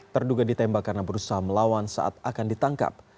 terduga ditembak karena berusaha melawan saat akan ditangkap